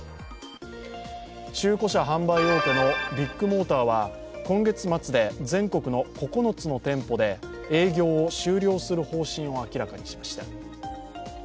中古車販売大手のビッグモーターは今月末で全国の９つの店舗で営業を終了する方針を明らかにしました。